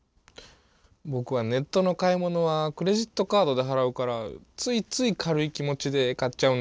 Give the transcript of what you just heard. ぼくはネットの買い物はクレジットカードで払うからついつい軽い気持ちで買っちゃうんだよね。